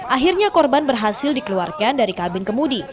akhirnya korban berhasil dikeluarkan dari kabin kemudi